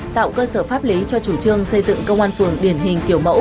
tạo cơ sở pháp lý cho chủ trương xây dựng công an phường điển hình kiểu mẫu